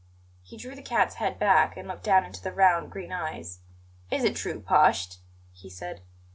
He drew the cat's head back and looked down into the round, green eyes. "Is it true, Pasht?" he said.